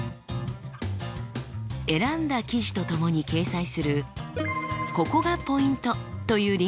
選んだ記事と共に掲載する「ココがポイント」というリンク集。